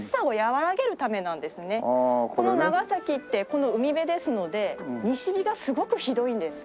この長崎って海辺ですので西日がすごくひどいんです。